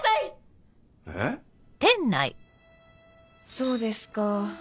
そうですか。